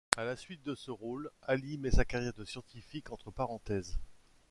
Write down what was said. À la suite de ce rôle, Ally met sa carrière de scientifique entre parenthèses.